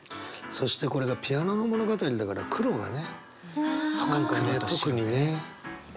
そしてこれがピアノの物語だから苦労がね何かね特にね。